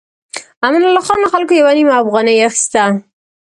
امان الله خان له خلکو يوه نيمه افغانۍ اخيسته.